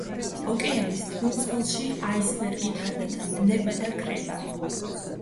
ოკეანის თბილ წყალში აისბერგი თანდათან დნება და ქრება.